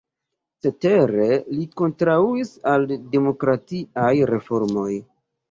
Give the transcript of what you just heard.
Cetere li kontraŭis al demokratiaj reformoj.